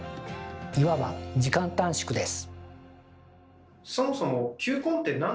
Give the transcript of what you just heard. いわば時間短縮です。